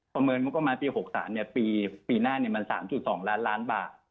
ประเมินงบประมาณปี๖๓ปีหน้าเนี่ยมัน๓๒ล้านบาท